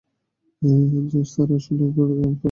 Sir আসুন, আপনাকে আপনার ঘর দেখিয়ে দিই।